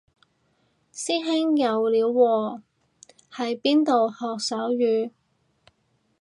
師兄有料喎喺邊度學手語